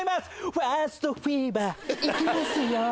ファーストフィーバーいきますよ